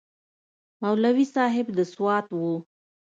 مولوي صاحب د سوات و.